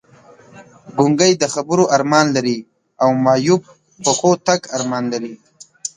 ګونګی د خبرو ارمان لري او معیوب پښو تګ ارمان لري!